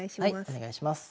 お願いします。